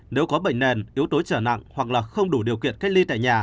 nếu có bệnh nền yếu tố trở nặng hoặc là không đủ điều kiện cách ly tại nhà